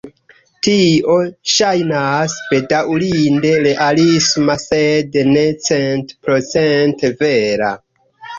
Tio ŝajnas bedaŭrinde realisma, sed ne centprocente vera.